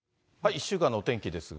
１週間のお天気ですが。